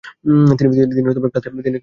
তিনি ক্লাসে বাংলায় লেকচার দিতেন।